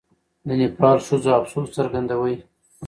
د نېپال ښځې افسوس څرګندولی.